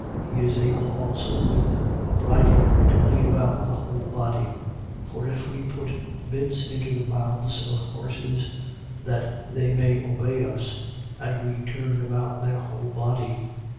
He is able also with a bridle to lead about the whole body. 3:3. For if we put bits into the mouths of horses, that they may obey us: and we turn about their whole body.